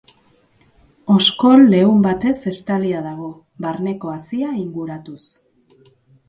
Oskol leun batez estalia dago, barneko hazia inguratuz.